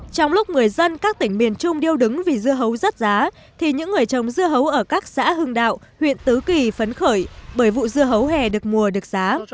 trong lúc người dân các tỉnh miền trung điêu đứng vì dưa hấu rớt giá thì những người trồng dưa hấu ở các xã hưng đạo huyện tứ kỳ phấn khởi bởi vụ dưa hấu hè được mùa được giá